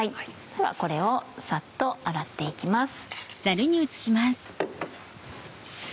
ではこれをさっと洗って行きます。